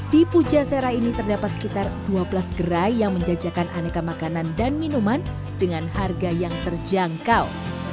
di pujasera ini terdapat sekitar dua belas gerai yang menjajakan aneka makanan dan minuman dengan harga yang terjangkau